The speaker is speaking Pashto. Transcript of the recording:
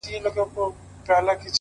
يارانو راټوليږی چي تعويذ ورڅخه واخلو؛